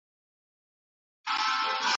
د واک وېش په سياست کي مهم بحث دی.